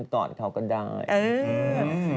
กอดเขาก็ได้